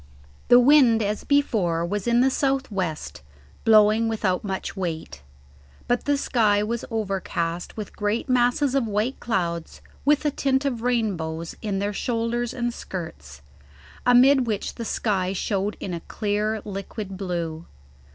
The wind as before was in the south west, blowing without much weight; but the sky was overcast with great masses of white clouds with a tint of rainbows in their shoulders and skirts, amid which the sky showed in a clear liquid blue.